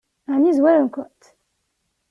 Ɛni zwaren-kent?